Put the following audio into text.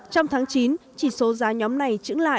trong tháng chín chỉ số giá nhóm này tăng năm